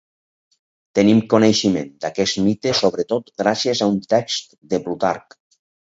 Tenim coneixement d'aquest mite sobretot gràcies a un text de Plutarc.